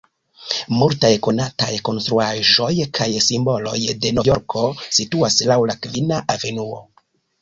Multaj konataj konstruaĵoj kaj simboloj de Novjorko situas laŭ la Kvina Avenuo.